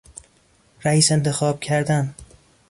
رئیس انتخاب کردن